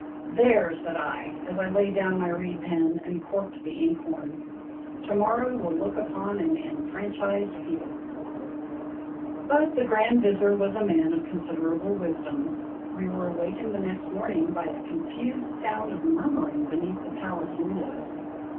"There !" said I, as I laid down my reed pen and corked the ink horn. "To morrow will look upon an enfranchised people !" But the Grand Vizir was a man of considerable wisdom. We 62 IMAGINOTIONS were awakened the next morning by a confused sound of murmuring beneath the palace windows.